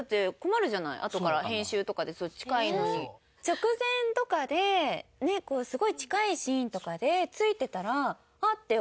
直前とかですごい近いシーンとかで付いてたらあっ！って思うじゃん。